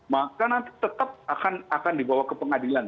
maka nanti tetap akan dibawa ke pengadilan